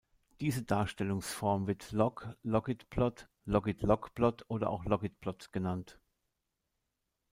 Diese Darstellungsform wird Log-Logit-Plot, Logit-Log-Plot oder auch Logit-Plot genannt.